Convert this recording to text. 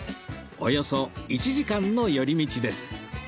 およそ１時間の寄り道です